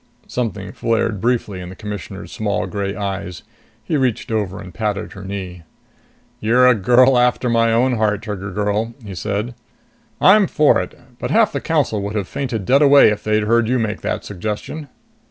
Something flared briefly in the Commissioner's small gray eyes. He reached over and patted her knee. "You're a girl after my own heart, Trigger girl," he said. "I'm for it. But half the Council would have fainted dead away if they'd heard you make that suggestion!"